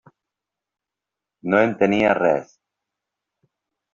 No entenia res.